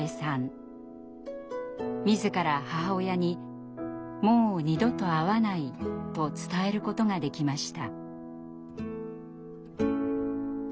自ら母親に「もう二度と会わない」と伝えることができました。